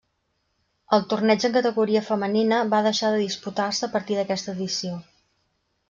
El torneig en categoria femenina va deixar de disputar-se a partir d'aquesta edició.